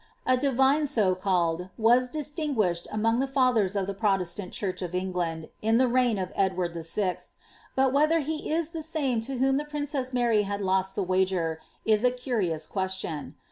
A divine so called was distinguished among the fatheis of ihe Protestant church of England, in the reign of Ivlward VI., bgi whether he is the same to whom the princess Mary had loei the wager, is a curions ques tion.